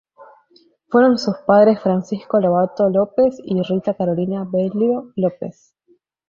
Fueron sus padres Francisco Lobato Lopes, y Rita Carolina Velho Lopes.